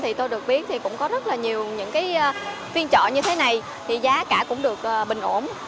thì tôi được biết thì cũng có rất là nhiều những cái phiên chợ như thế này thì giá cả cũng được bình ổn